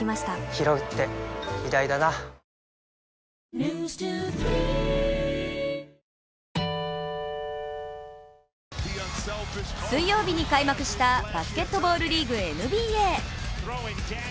ひろうって偉大だな水曜日に開幕したバスケットボールリーグＮＢＡ。